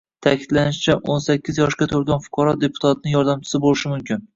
Ta’kidlanishicha,o´n sakkizyoshga to‘lgan fuqaro deputatning yordamchisi bo‘lishi mumkin